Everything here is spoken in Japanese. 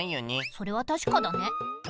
それはたしかだね。